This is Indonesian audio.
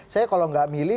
saya kalau gak milih